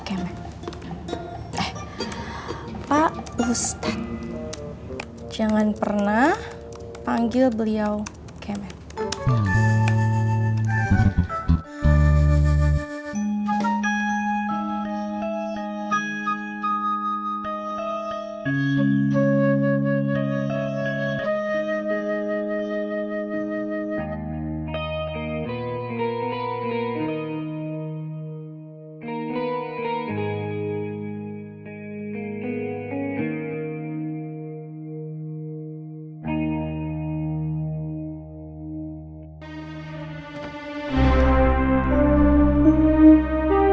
emi haben satu dalel laughter dong